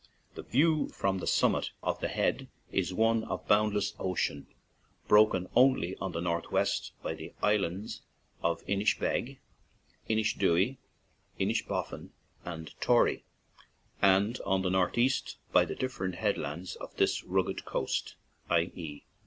The view from the summit of the head is one of boundless ocean, broken only on the north west by the islands of Inishbeg, Inishdooey, Inishbofin, and Tory, and on the northeast 27 ON AN IRISH JAUNTING CAR by the different headlands of this rugged coast — i. e.